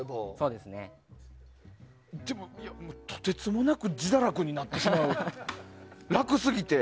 でも、とてつもなく自堕落になってしまう楽過ぎて。